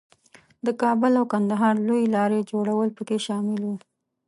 د کابل او کندهار لویې لارې جوړول پکې شامل وو.